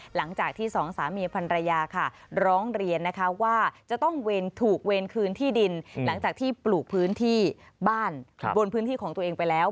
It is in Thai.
หลังจากที่สองสามีพันรยาค่ะร้องเรียนนะคะว่าจะต้องถูกเวรคืนที่ดินหลังจากที่ปลูกพื้นที่บ้านบนพื้นที่ของตัวเองไปแล้ว